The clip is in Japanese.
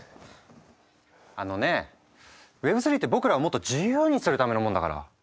あのねＷｅｂ３って僕らをもっと自由にするためのものだから。